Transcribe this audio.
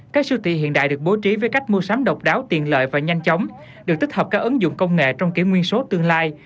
các siêu thị hiện đại được bố trí với cách mua sắm độc đáo tiền lợi và nhanh chóng được tích hợp các ứng dụng công nghệ trong kỷ nguyên số tương lai